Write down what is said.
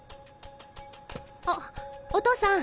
あお父さん。